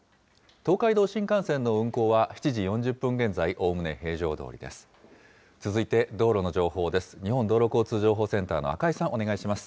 東海道新幹線の運行は７時４０分現在、おおむね平常どおりです。